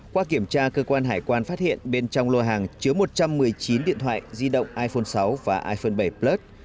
qua kiểm tra cơ quan hải quan phát hiện bên trong lô hàng chứa một trăm một mươi chín điện thoại di động iphone sáu và iphone bảy plus